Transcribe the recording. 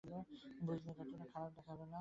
বুঝলে, ততটা খারাপ দেখাবে না।